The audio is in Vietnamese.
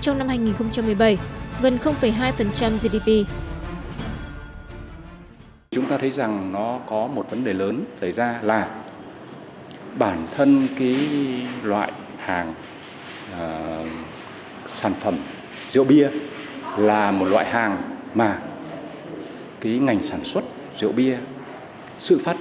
trong năm hai nghìn một mươi bảy gần hai gdp